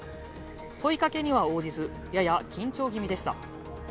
問いかけには応じず、やや緊張気味でした。